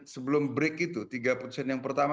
sebelum break itu tiga putusan yang pertama